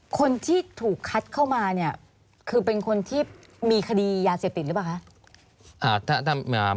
คนที่ถูกคัดเข้ามาเนี่ยคือเป็นคนที่มีคดียาเสพติดหรือเปล่าคะ